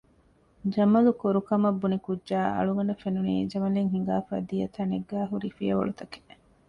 ޖަމަލު ކޮރު ކަމަށް ބުނި ކުއްޖާ އަޅުގަނޑަށް ފެނުނީ ޖަމަލެއް ހިނގާފައި ދިޔަ ތަނެއްގައި ހުރި ފިޔަވަޅުތަކެއް